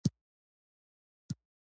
په ځنګله کي د چینجیو د میندلو